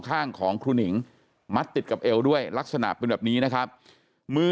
ข้างของครูหนิงมัดติดกับเอวด้วยลักษณะเป็นแบบนี้นะครับมือ